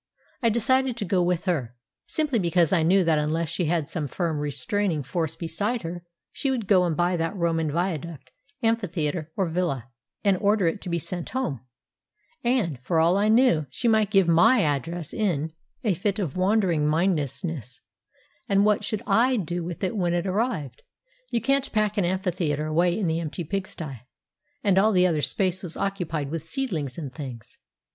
I decided to go with her, simply because I knew that unless she had some firm, restraining force beside her, she would go and buy that Roman viaduct, amphitheatre, or villa, and order it to be sent home; and, for all I knew, she might give my address in a fit of wandering mindedness, and what should I do with it when it arrived? You can't pack an amphitheatre away in the empty pigsty, and all the other space was occupied with seedlings and things!